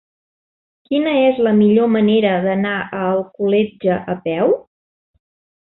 Quina és la millor manera d'anar a Alcoletge a peu?